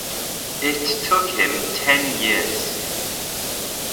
It took him ten years.